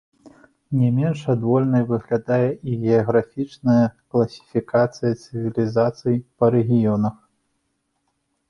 Не менш адвольнай выглядае і геаграфічная класіфікацыя цывілізацый па рэгіёнах.